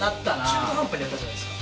中途半端にやったじゃないですか。